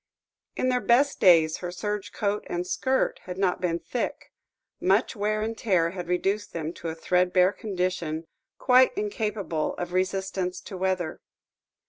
In their best days her serge coat and skirt had not been thick; much wear and tear had reduced them to a threadbare condition quite incapable of resistance to weather.